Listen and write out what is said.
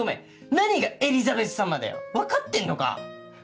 何がエリザベスさまだよ分かってんのか！